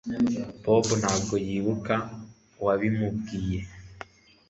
Bobo ntabwo yibuka uwabimubwiye